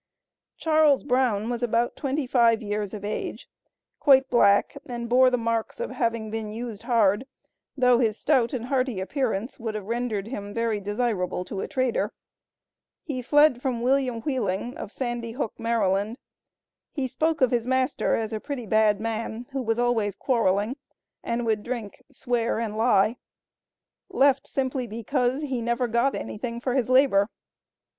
Charles Brown was about twenty five years of age, quite black, and bore the marks of having been used hard, though his stout and hearty appearance would have rendered him very desirable to a trader. He fled from William Wheeling, of Sandy Hook, Md. He spoke of his master as a "pretty bad man," who was "always quarreling," and "would drink, swear and lie." Left simply because he "never got anything for his labor."